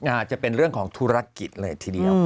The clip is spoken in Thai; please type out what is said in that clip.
อาจจะเป็นเรื่องของธุรกิจเลยทีเดียว